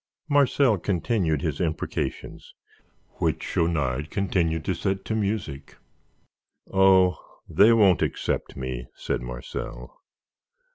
Marcel continued his imprecations, which Schaunard continued to set to music. "Oh, they won't accept me," said Marcel.